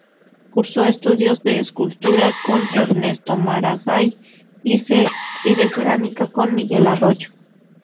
Cursó estudios de escultura con Ernesto Maragall, y de cerámica con Miguel Arroyo.